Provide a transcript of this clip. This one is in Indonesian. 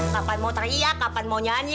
kapan mau teriak kapan mau nyanyi